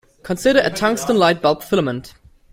Consider a tungsten light-bulb filament.